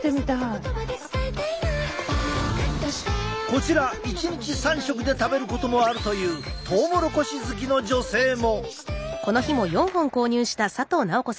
こちら１日３食で食べることもあるというトウモロコシ好きの女性も。